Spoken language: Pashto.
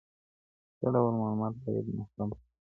څه ډول معلومات باید محرم پاته سي؟